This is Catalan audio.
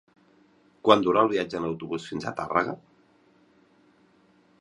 Quant dura el viatge en autobús fins a Tàrrega?